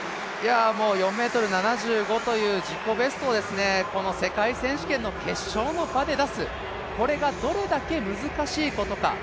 ４ｍ７５という自己ベストを世界陸上の決勝の場で出す、これがどれだけ難しいことか。